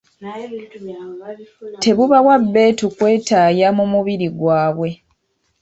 Tebubawa bbeetu kwetaaya mu mubiri gwabwe.